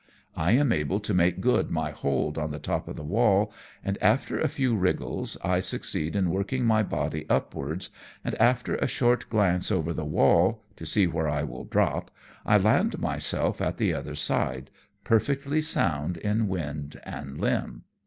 I am able to make good my hold on the top of the wall, and after a few wriggles, I succeed in working my body upwards, and after a short glance over the wall to see where I will drop, I land myself at the other side, per fectly sound in wind and limb.